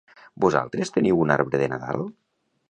Vosaltres teniu un arbre de Nadal?